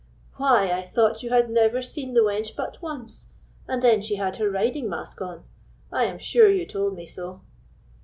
"Why, I thought you had never seen the wench but once, and then she had her riding mask on; I am sure you told me so."